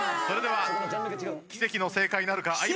それでは奇跡の正解なるか？